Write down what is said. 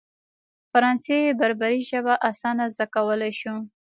فرانسې بربري ژبه اسانه زده کولای شو.